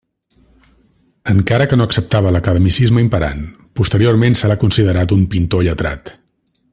Encara que no acceptava l'academicisme imperant, posteriorment se l'ha considerat un pintor lletrat.